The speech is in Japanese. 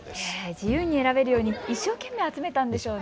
自由に選べるように一生懸命集めたんでしょうね。